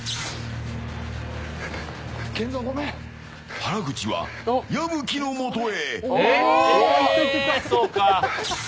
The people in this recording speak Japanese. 原口は矢吹のもとへ。